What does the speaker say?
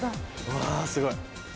わすごい。